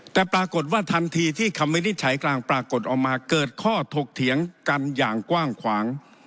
แต่ปรากฏว่าทันทีที่คำวินิจฉัยกลางปรากฏออกมาเกิดข้อถกเถียงกันอย่างกว้างขวาง